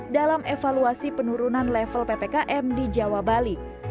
dalam evaluasi penurunan level ppkm di jawa bali